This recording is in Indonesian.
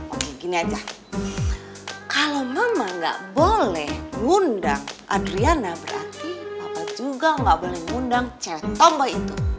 oke gini aja kalo mama ga boleh ngundang adriana berarti papa juga ga boleh ngundang cewek tombol itu